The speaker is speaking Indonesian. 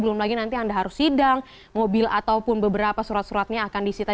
belum lagi nanti anda harus sidang mobil ataupun beberapa surat suratnya akan disita